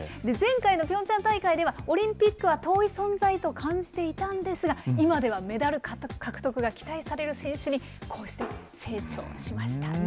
前回のピョンチャン大会では、オリンピックは遠い存在と感じていたんですが、今ではメダル獲得が期待される選手にこうして成長しました。